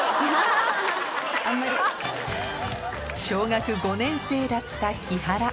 小学５年生だった木原